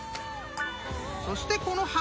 ［そしてこの］